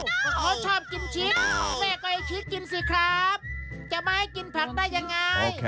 เพราะเขาชอบกินชิ้นแม่ก็ไอ้ชิ้นกินสิครับจะมาให้กินผักได้อย่างไร